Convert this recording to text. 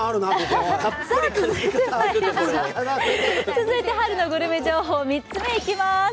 続いて春のグルメ情報、３つ目いきます。